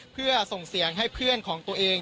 เพื่อส่งเสียงให้เพื่อนของตัวเอง